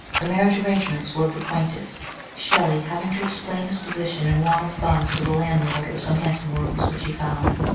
The marriage arrangements were of the quaintest, Shelley having to explain his position and want of funds to the landlord of some handsome rooms which he found.